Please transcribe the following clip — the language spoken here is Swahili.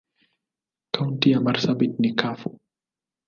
Kaunti ya marsabit ni kavu.